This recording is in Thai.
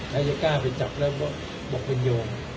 แล้วจะกล้าไปจับแล้วบอกเป็นโยม